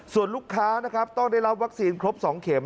ส่วนลูกค้านะครับต้องได้รับวัคซีนครบ๒เข็ม